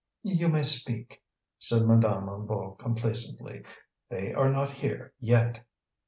"You may speak," said Madame Hennebeau complacently. "They are not here yet."